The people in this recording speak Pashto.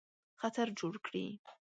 خطر جوړ کړي.